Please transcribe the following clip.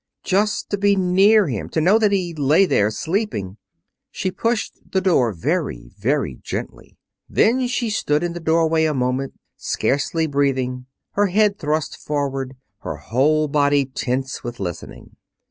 Just to be near him, to know that he lay there, sleeping! She pushed the door very, very gently. Then she stood in the doorway a moment, scarcely breathing, her head thrust forward, her whole body tense with listening.